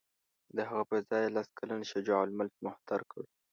د هغه پر ځای یې لس کلن شجاع الملک مهتر کړ.